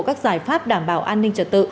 các giải pháp đảm bảo an ninh trật tự